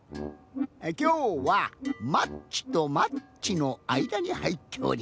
きょうはマッチとマッチのあいだにはいっております。